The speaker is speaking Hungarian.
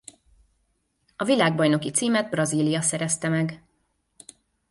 A világbajnoki címet Brazília szerezte meg.